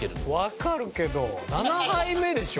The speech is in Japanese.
わかるけど７杯目でしょ？